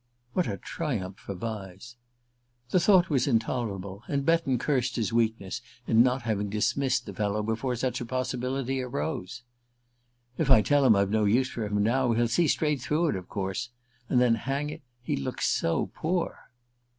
What a triumph for Vyse! The thought was intolerable, and Betton cursed his weakness in not having dismissed the fellow before such a possibility arose. "If I tell him I've no use for him now, he'll see straight through it, of course; and then, hang it, he looks so poor!"